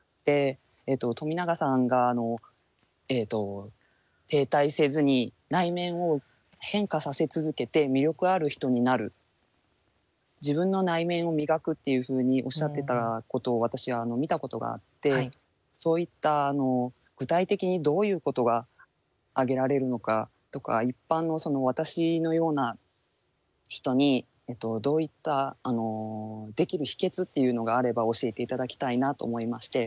冨永さんが停滞せずに内面を変化させ続けて魅力ある人になる自分の内面を磨くっていうふうにおっしゃってたことを私は見たことがあってそういった具体的にどういうことが挙げられるのかとか一般の私のような人にどういったできる秘訣っていうのがあれば教えて頂きたいなと思いまして。